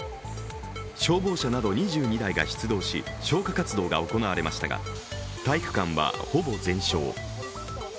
消防車など２２台が出動し、消火活動が行われましたが体育館はほぼ全焼。